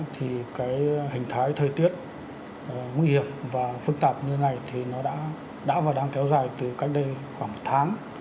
thì hình thái thời tiết nguy hiểm và phức tạp như thế này đã và đang kéo dài từ cách đây khoảng một tháng